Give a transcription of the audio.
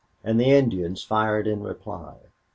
And the Indians fired in reply.